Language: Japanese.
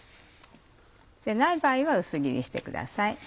ない場合は薄切りにしてください。